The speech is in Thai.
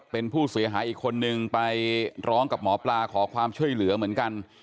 เป็นผู้เสียหายอีกคนนึงไปร้องกับหมอปลาขอความช่วยเหลือเหมือนกัน